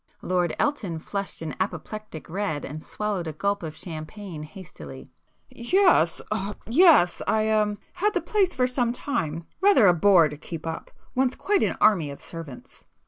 Lord Elton flushed an apoplectic red, and swallowed a gulp of champagne hastily. "Yes er yes. I—er had the place for some time,—rather a bore to keep up,—wants quite an army of servants."